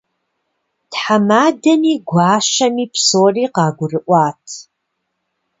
Тхьэмадэми гуащэми псори къагурыӏуат.